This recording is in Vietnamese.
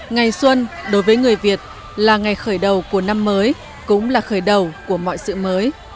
ngày xuân đối với người việt là ngày khởi đầu của năm mới cũng là khởi đầu của mọi sự mới